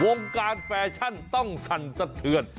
วงการแฟชั่นต้องสั่นสะเทือน